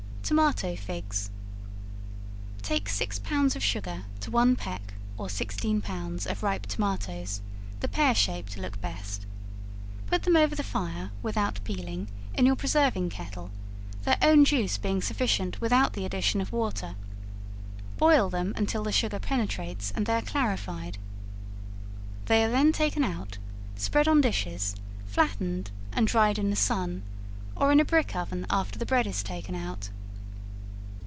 Tomato Figs. Take six pounds of sugar, to one peck (or sixteen pounds) of ripe tomatoes the pear shaped look best; put them over the fire (without peeling) in your preserving kettle, their own juice being sufficient without the addition of water; boil them until the sugar penetrates and they are clarified. They are then taken out, spread on dishes, flattened and dried in the sun, or in a brick oven after the bread is taken out.